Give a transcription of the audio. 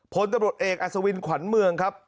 ผลตบรวจเอกอาศวินขวัญเมือง